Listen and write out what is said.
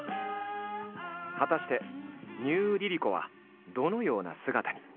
果たしてニューＬｉＬｉＣｏはどのような姿に？